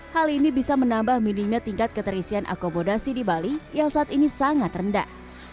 hal ini bisa menambah minimnya tingkat keterisian akomodasi di bali yang saat ini sangat rendah